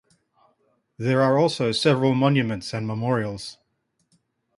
There are also several monuments and memorials.